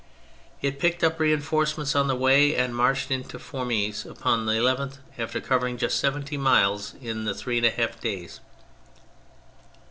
It picked up reinforcements on the way and marched into Fourmies upon the 11th, after covering just seventy miles in the three and a half days.